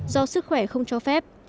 do sức khỏe không cho phép